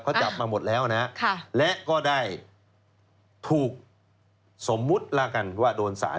เขาจับมาหมดแล้วนะและก็ได้ถูกสมมุติแล้วกันว่าโดนสาร